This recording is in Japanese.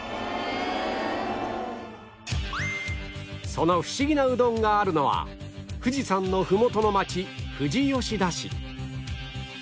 そのフシギなうどんがあるのは富士山のふもとの町富士吉田市